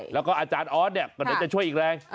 แล้วก็อาจารย์ออสเนี่ยก็เดี๋ยวจะช่วยอีกแรง